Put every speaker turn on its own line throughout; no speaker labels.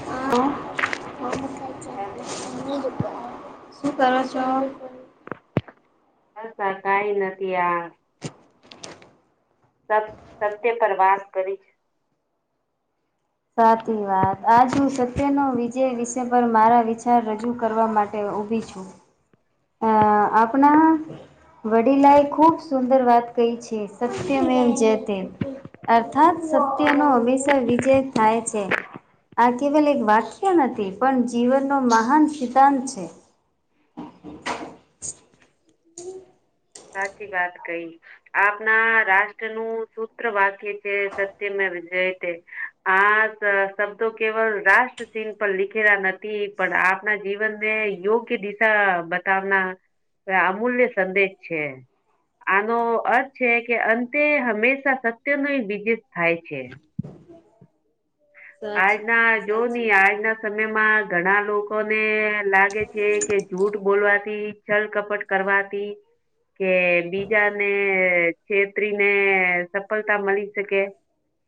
શું
હેલો
કરો છો?
બસ કઈ નથી આ સત સત્ય પર વાત કરી છે.
સાચી વાત આજ હું સત્યનો વિજય વિષય પર મારા વિચાર રજૂ કરવા માટે તે ઊભી છું. અ આપણા વડીલાએ ખુબ સુંદર વાત કહી છે. સત્ય મેવ જયતે અર્થાત સત્યનો હંમેશા વિજય થાય છે. આ કેવલ એક વાક્ય નથી પણ જીવનનો મહાન સિદ્ધાંત છે.
સાચી વાત કઈ. આપના રાષ્ટ્ર નું સૂત્ર વાક્ય છે સત્ય મેવ જયતે. આ શબ્દો કેવલ રાષ્ટ્રસિંહ પર લીખેલા નથી પણ આપના જીવનને યોગ્ય કે દિશા બતાવના અમૂલ્ય સંદેશ છે. આનો અર્થ છે કે અંતે હંમેશા સત્ય નો વિજત થાય છે.
સાચી
આજના જો ની
સાચી વાત
આજના સમયમાં ઘણા લોકોને લાગે છે કે જૂઠ બોલવાથી છલ કપટ કરવાથી કે બીજાને છેત્રીને સફળતા મળી શકે.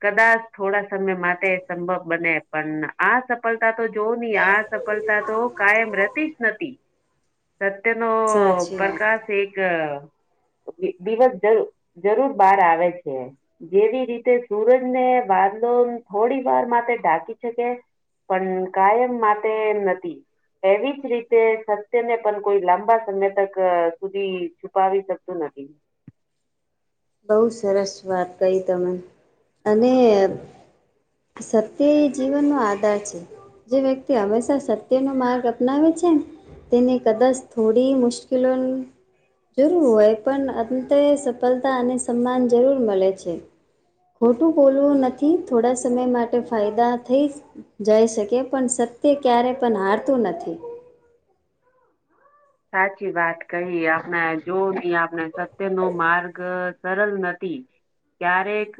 કદાચ થોડા સમય માટે સંભવ બને. પણ આ સફળતા તો જોવ નહી આ સફળતા તો કાયમ રેતી જ નથી. સત્ય નો
સાચી વાત.
પ્રકાશ એક દિવસ જરૂ જરૂર બહાર આવે છે. જેવી રીતે સુરજ ને વાંધો થોડી વાર માટે ઢાકી શકે. પણ કાયમ માટે નથી. એવી જ રીતે સત્યને પણ કોઈ લાંબા સમય તક સુધી છુપાવી શકતું નથી.
બહુ સરસ વાત કહી તમે અને સત્ય એ જીવનનો આધાર છે. જે વ્યક્તિ હંમેશા સત્યનો માર્ગ અપનાવે છે તેને કદાચ થોડી મુશ્કીલો જરૂર હોય પણ અંતે સફળતા અને સન્માન જરૂર મળે છે. ખોટું બોલવું નથી થોડા સમય માટે ફાયદા થઈશ. જઈ શકે પણ સત્ય ક્યારે પણ હારતું નથી.
સાચી વાત કહી આપને જો નહી આપને સત્ય નો માર્ગ સરલ નથી. ક્યારેક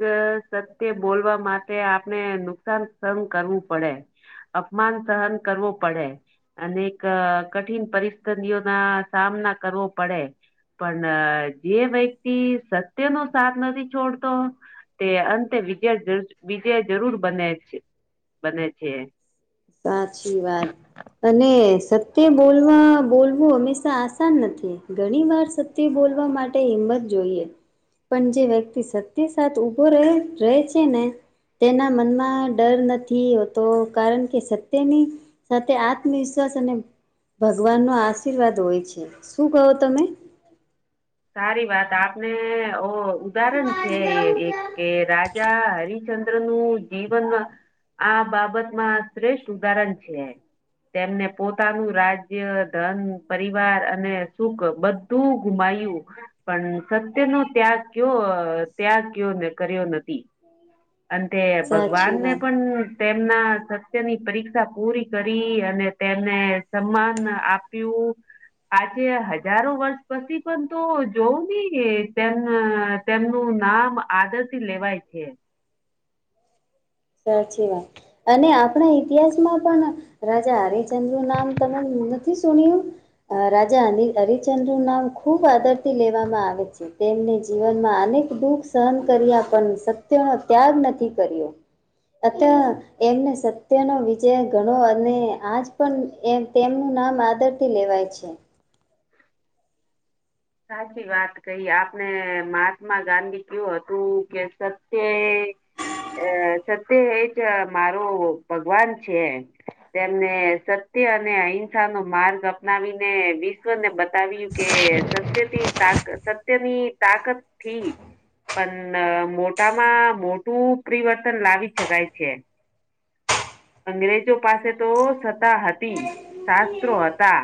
સત્ય બોલવા માટે આપણે નુકસાન સહન કરવું પડે. અપમાન સહન કરવો પડે અને એક કઠિન પરિસ્ પંદીઓ ના સામના કરવો પડે. પણ જે વ્યક્તિ સત્યનો સાથ નથી છોડતો તે અંતે વિજ્ય વિજ્યા જરૂર બને છે બને છે.
સાચી વાત. અને સત્ય બોલવા બોલવું હંમેશા આસાન નથી ઘણી વાર સત તે બોલવા માટે હિંમત જોઈએ. પણ જે વ્યક્તિ સત્ય સા ઉભો રહે રહે છે ને તેના મનમાં ડર નથી હોતો કારણ કે સત્યની સાથે આત્મવિશ્વાસ અને ભગવાન નો આશીર્વાદ હોય છે. શું કહો તમે?
સારી વાત આપને ઉદાહરણ છે એક કે રાજા હરિચંદ્ર નું જીવન આ બાબતમાં શ્રેષ્ઠ ઉદાહરણ છેમ. તેમને પોતાનું રાજ્ય ધન, પરિવાર અને સુખ બધું ગુમાયું. પણ સત્ય નો ત્યાગ કયો ત્યાગ કયો કર્યો નથી. અને તે ભગવાન
સાચી
ને
વાત.
પણ તેમના સત્યની પરીક્ષા પૂરી કરી અને તેમને સન્માન આપ્યું. આજે હજારો વર્ષ પછી પણ તો જોવું નહી તેમ તેમનું નામ આદર થી લેવાય છે.
સાચી વાત અને આપણા ઇતિહાસમાં પણ રાજા હરિચંદ્ર નું નામ તમે નથી સુન્યું? અ રાજા હરિચંદ્ર નું નામ ખુબ આદરથી લેવામાં આવે છે. તેમને જીવનમાં અનેક દુઃખ સહન કર્યા પણ સત્યનો ત્યાગ નથી કર્યો. [unintelligible] એમને સત્યનો વિજય ગણો અને આજ પણ એ તેમનું નામ આદર થી લેવાય છે.
સાચી વાત કહી આપણે મહાત્મા ગાંધી કેવું હતું કે સત્ય અ સત્ય એજ મારો ભગવાન છે. તેમને સત્ય અને અહિંસા નો માર્ગ અપનાવીને વિશ શ્વને બતાવ્યું કે સત્યથી તાક સત્યની તાકત થી પણ મોટામાં મોટું પ્રિવર્તન લાવી શકાય છે. અંગ્રેજો પાસે તો સત્તા હતી શાસ્ત્રો હતા.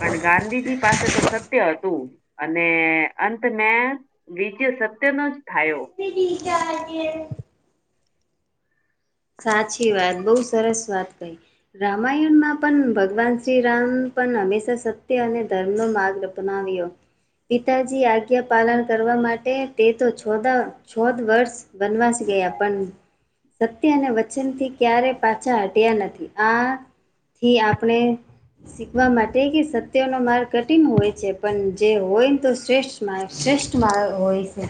પણ ગાંધીજી પાસે તો સત્ય હતું. અને અંત મેં વિજય [unintelligible] સત્ય નો જ થયો.
[unintelligible] સાચી વાત બહુ સરસ વાત કઈ. રામાયણમાં પણ ભગવાન શ્રીરામ પણ હંમેશા સત્ય અને ધર્મનો માર્ગ બનાવી્યો. પિતાજી આજ્ઞા પાલન કરવા માટે તે તો છોદા છોદ વર્ષ વનવાસ ગયા પણ સત્ય અને વચન થી ક્યારે પાછા હટ્યા નથી આથી આપણે શીખવા માટે કે સત્યોનો માર્ગ કઠિન હોય છે પણ જે હોય ને તો શ્રેષ્ઠ- મા શ્રેષ્ઠ મા હોય છે.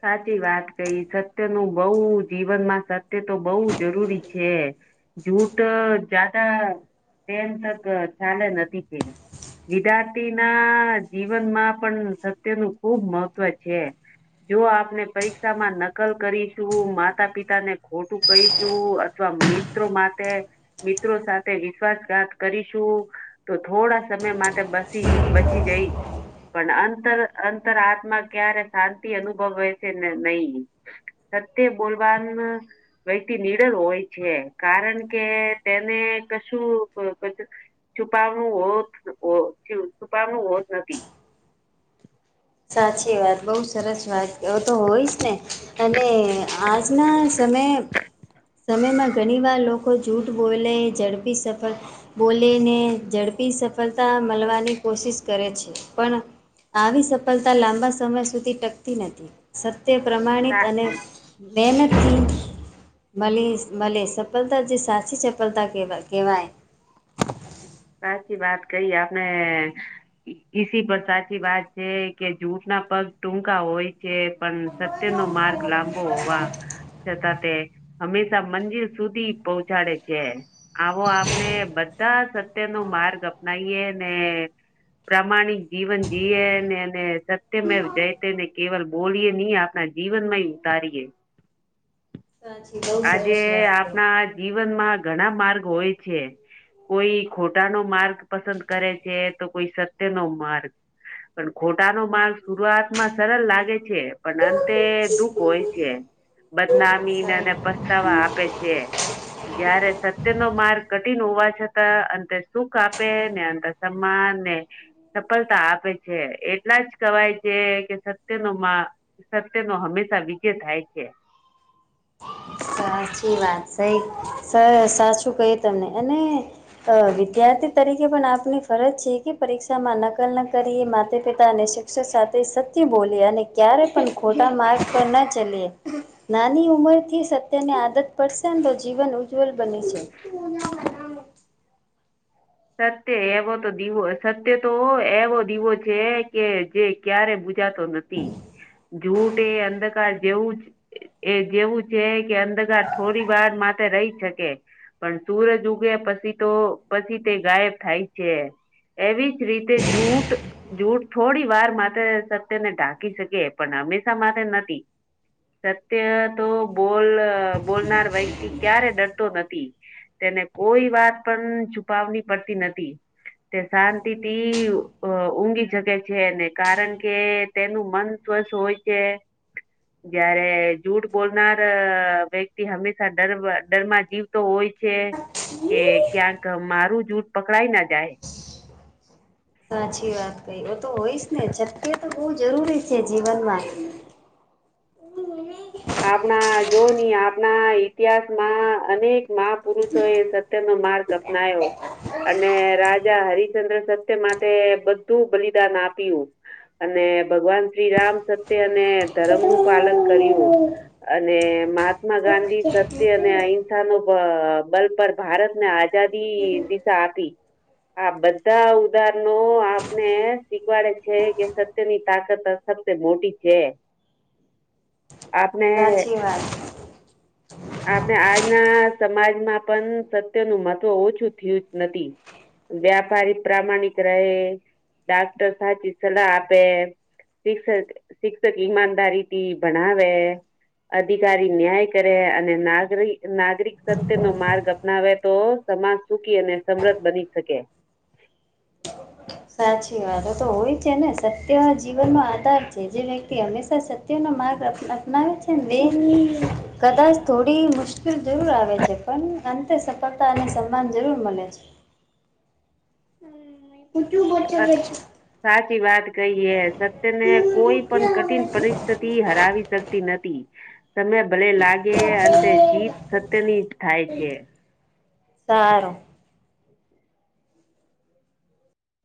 સાચી વાત કહી સત્ય નું બઉ જીવનમાં સત્ય તો બઉુ જરૂરી છે. જૂટ જદા તેમ તક ચાલે નથી પડ. [unintelligible] વિદ્યાર્થી ના જીવનમાં પણ સત્ય નું ખુબ મહત્વ છે. જો આપને પરીક્ષામાં નકલ કરીશું માતા પિતા ને ખોટું કહીશું અથવા મિત્રો માટે મિત્રો સાથે વિશ્વાસઘાત કરીશું તો થોડા સમય માટે બસી બચી ગઈ પણ અંતર અંતર આત્મા ક્યારે શાંતિ અનુભવે છે ને નહી સત્ય બોલવાનું વ્યક્તિ નિડર હોય છે કારણ કે તેને કશું છુપાવનું હોત છુપાવનું હોત નથી.
સાચી વાત બઉુ સરસ વાત એ તો હોય જ ને અને આજના સમય સમયમાં ઘણી વાર લોકો જૂઠ બોલે ઝડપી સફર બોલીને ઝડપી સફળતા મળવાની કોશિશ કરે છે. પણ આવી સફળતા લાંબા સમય સુધી ટકતી નથી. સત્ય પ્રમાણિત અને મહેનતી મલે મલેે સફળતા જે સાચી સફળતા કેવા કહેવાય.
સાચી વાત કહી આપણે. [unintelligible] સાચી વાત છે કે જૂઠના પગ ટૂંકા હોય છે પણ તેનો માર્ગ લાંબો હોવા. છતાં તે હંમેશા મંજિલ સુધી પહોંચાડે છે. આવો આપણે બધા સત્ય નો માર્ગ અપનાવીએ ને પ્રામાણિક જીવન જી ને સત્યમ જઈ તે ને કેવલ બોલીએ નહી આપ. ના જીવન માં ઉતારીએ.
સાચી.
આજે
સરસ વાત
આપણા જીવનમાં ઘણા માર્ગ હોય છે. કોઈ ખોટા નો માર્ગ પસંદ કરે છે તો કોઈ સત્ય નો માર્ગ. પણ ખોટા નો માલ શુંરૂઆતમાં સરળ લાગે છે. પણ અંતે દુઃખ
કહી
હોય છે બદનામી ને પસ્તાવા આપે છે. જયારે સત્ય નો માર્ગ કઠિન હોવા છતાં અંતે સુખ આપે ને અંત તમાને સફળતા આપે છે એટલા જ કવાય છે કે સત્ય ન મા સત્ય નો હંમેશા વિજય થાય છે.
સાચી વાત સાઈ સર સાચું કઉ તમને અને અ વિદ્યાર્થી તરીકે પણ આપની ફરજ છે કે પરીક્ષામાં નકલ ન કરીએ માતા પિતા અને સાથે સત્ય બોલી અને ક્યારે પણ ખોટા માર્ગ પર ના ચલીએ નાની ઉંમરથી સત્યની આદત પડશે તો જીવન ઉજ્જવલ બની છે.
સત્ય એવો તો દીવો સત્ય તો એવો દીવો છે કે જે ક્યારે બુજાતો નથી. જૂઠ એ અંધકાર જેવું જ એ જેવું છે કે અંધકાર થોડી વાર માટે રહી શકે. પણ સૂરજ ઉગે પછી તો પછી તે ગાયબ થાય છે. એવી જ રીતે જૂઠ જૂઠ થોડી વાર મા સત્યને ઢાંકી શકે પણ હંમેશા માથે નથી. સત્ય તો બોલ બોલનાર વ્યક્તિ ક્યારે ડરતો નથી. તેને કોઈ વાત પણ છુપાવની પડતી નથી. તે શાંતિથી ઊઘી જગ છે ને કારણ કે તેનું મન સ્વસ હોય છે જયારે જૂઠ બોલનાર વ્યક્તિ હંમેશા ડર ડર માં જીવતો હોય છે. કે ક્યાંક મારું જૂઠ પકડાાય ના જાય.
સાચી વાત કહી એ તો હોયશ ને છતકે તો બહ જરૂરી છે જીવનમાં.
આપણા જો ની આપણા ઈતિહાસમાં અનેક મહા પુરુષો એ સત્યનોો માર્ગ્યો નાયો અને રાજા હરિચંદ્ર સત્ય માટે બધું બલિદાન આપ્યું. અને ભગવાન શ્રીરામ સત્ય અને ધરમ નું પાલન કર્યું. અને મહાત્મા ગાંધી સત્ય અને અહિંસા નો બ બલ પર ભારત ને આજ રાજાદી વિ
સાચી
સાપી આ બધા ઉદાહરણો આપને શીખવાડે છે કે સત્યની તાકાત ફક્ત મોટી છે. આપને.
વાત
આપણે આજના સમાજમાં પણ સત્ય નું મહત્વ ઓછું થયું જ નથી. વ્યાપારી પ્રામાણિક રહે ડાક્ટર સાચી સલાહ આપે. શિક્ષક શિક્ષક ઈમાનદારી થી ભણાવે. અધિકારી ન્યાય કરે અને નાગરિ નાગરિક સત્ય નો માર્ગ અપનાવે તો સમાજ સુખી અને સમદ્ધ બની શકે.
સાચી વાતો તો હોય છે ને સત્ય જીવનનો આધાર છે જે વ્યક્તિ હંમેશા સત ત્યનો માર્ગ અપ અપનાવે છે ને દિજની કદાચ થોડી મુશ્કેલ જરૂર આવે છે પણ અંતે સફળતા અને સન્માન જરૂર મળે છે હમ બધું હાચમ વાત છે
સાચી વાત કહીએ ઈ હરાવી શકતી નતી સમય ભલે લાગે અંતે જીત સત્યની જ થાય છે
સારું